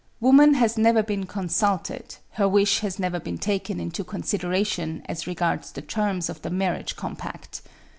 Woman has never been consulted; her wish has never been taken into consideration as regards the terms of the marriage compact.